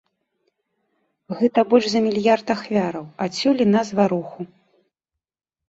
Гэта больш за мільярд ахвяраў, адсюль і назва руху.